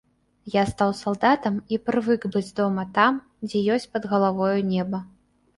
Я стаў салдатам і прывык быць дома там, дзе ёсць пад галавою неба.